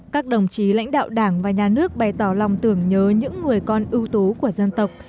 các đồng chí lãnh đạo đảng và nhà nước bày tỏ lòng tưởng nhớ những người con ưu tú của dân tộc